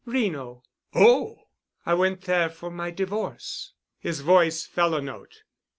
"Reno." "Oh!" "I went there for my divorce." His voice fell a note.